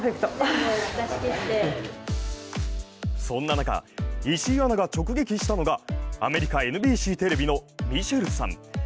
そんな中、石井アナが直撃したのがアメリカＮＢＣテレビのミシェルさん。